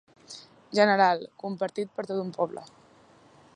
General, compartit per tot un poble.